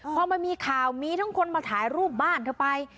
พอมันมีข่าวมีทั้งคนมาถ่ายรูปบ้านเธอไป